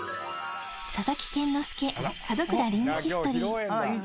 佐々木健之介、門倉凛ヒストリー。